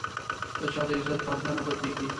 د چا د عزت پرده نه بدلېږي.